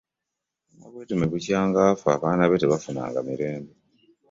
Nabweteme bukya afa abaana be tebafunanga mirembe.